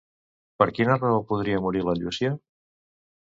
Per quina raó podria morir la Llúcia?